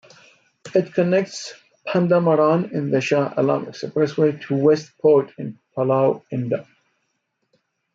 It connects Pandamaran in the Shah Alam Expressway to West Port in Pulau Indah.